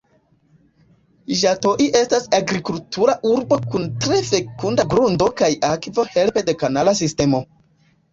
Ĝatoi estas agrikultura urbo kun tre fekunda grundo kaj akvo helpe de kanala sistemo.